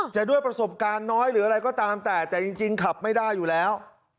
จะด้วยประสบการณ์น้อยหรืออะไรก็ตามแต่แต่จริงขับไม่ได้อยู่แล้ว